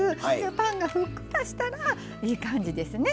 パンが、ふっくらしたらいい感じですね。